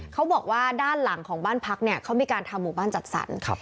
เขาบอกว่าด้านหลังของบ้านพักเนี่ยเขามีการทำหมู่บ้านจัดสรร